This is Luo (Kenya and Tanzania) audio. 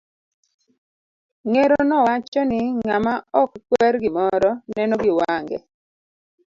Ng'ero no wacho ni, ng'ama ok kwer gimoro, neno gi wange.